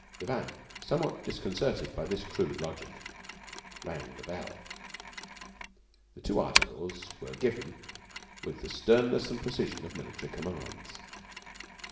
Devanne, somewhat disconcerted by this crude logic, rang the bell. The two articles were given with the sternness and precision of military commands.